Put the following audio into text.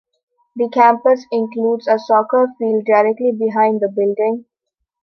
The campus includes a soccer field directly behind the building.